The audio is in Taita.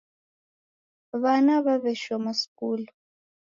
Wana waweshoma skulu